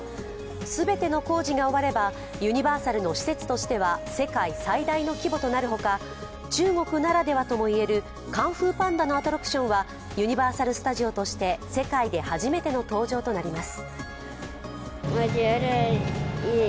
全ての工事が終わればユニバーサルの施設としては世界最大の規模となるほか中国ならではともいえる「カンフー・パンダ」のアトラクションはユニバーサル・スタジオとして世界で初めての登場となります。